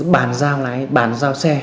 bàn giao xe